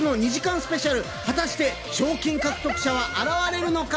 スペシャル、果たして賞金獲得者は現れるのか？